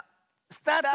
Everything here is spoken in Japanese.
スタート！